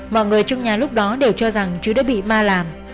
mọi người trong nhà lúc đó đều cho rằng chứ đã bị ma làm